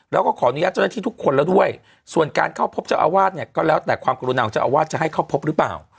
แล้วก็ขออนุญาตเจ้าหน้าที่ทุกคนแล้วด้วยส่วนการเข้าพบเจ้าอาวาสเนี่ยก็แล้วแต่ความกรุณาของเจ้าอาวาสจะให้เข้าพบหรือเปล่า